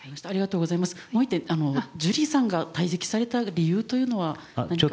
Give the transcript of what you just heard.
ジュリーさんが退席された理由というのは？